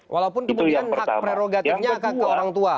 walaupun kemudian hak prerogatifnya ke orang tua